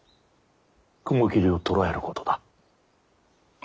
雲霧を捕らえることだ。